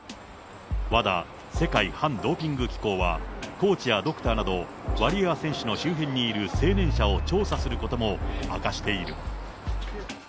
ＷＡＤＡ・世界反ドーピング機構はコーチやドクターなど、ワリエワ選手の周辺にいる成年者を調査することも明かしている。